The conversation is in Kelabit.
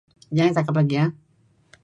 Neh kapeh dieh